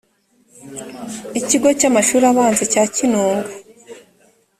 ikigo cy amashuri abanza cya kinunga